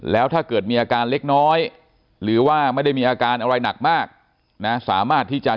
แล้วถ้าเกิดมีอาการเล็กน้อยหรือว่าไม่ได้มีอาการอะไรหนักมาก